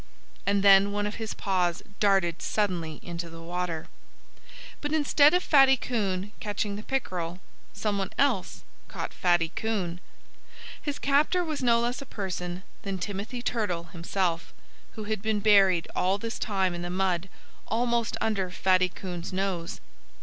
And then one of his paws darted suddenly into the water. But instead of Fatty Coon catching the pickerel, someone else caught Fatty Coon. His captor was no less a person than Timothy Turtle himself, who had been buried all this time in the mud almost under Fatty Coon's nose.